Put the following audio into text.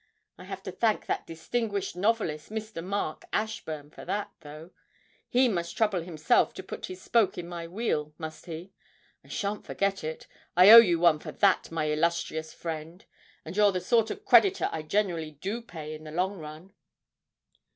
I have to thank that distinguished novelist, Mr. Mark Ashburn, for that, though; he must trouble himself to put his spoke in my wheel, must he? I shan't forget it. I owe you one for that, my illustrious friend, and you're the sort of creditor I generally do pay in the long run.'